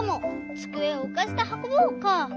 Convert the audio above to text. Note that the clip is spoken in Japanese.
つくえをうかせてはこぼう」か。